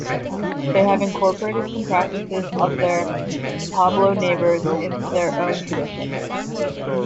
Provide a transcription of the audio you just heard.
They have incorporated some practices of their Pueblo neighbors into their own traditions.